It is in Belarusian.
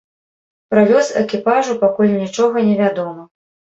Пра лёс экіпажу пакуль нічога невядома.